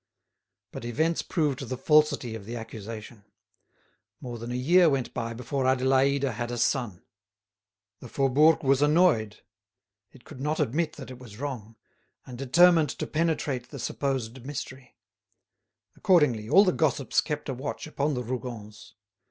But events proved the falsity of the accusation. More than a year went by before Adélaïde had a son. The Faubourg was annoyed; it could not admit that it was wrong, and determined to penetrate the supposed mystery; accordingly all the gossips kept a watch upon the Rougons.